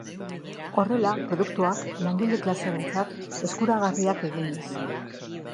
Horrela, produktuak langile-klasearentzat eskuragarriak eginez.